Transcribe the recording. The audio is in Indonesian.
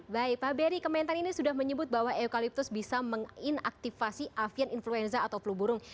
baik pak beri komentar ini sudah menyebut bahwa eukalyptus bisa mengaktifasi avian influenza atau flu burung